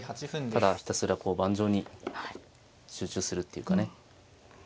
ただひたすらこう盤上に集中するっていうかね。